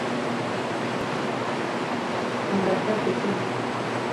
Hûn berhev dikin.